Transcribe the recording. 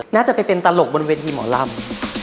น่าจะไปเป็นตลกบนเวทีหมอลำ